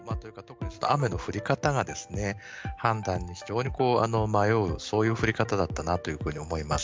雨の降り方がですね、判断に非常に迷う、そういう降り方だったなと思います。